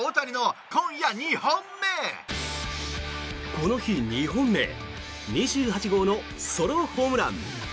この日２本目２８号のソロホームラン。